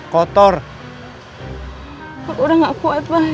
kotor udah gak kuat pak